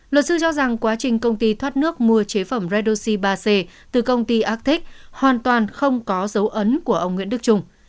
luật sư cho rằng quá trình công ty thoát nước mua chế phẩm redoxi ba c từ công ty ackic hoàn toàn không có dấu ấn của ông nguyễn đức trung